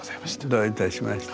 どういたしまして。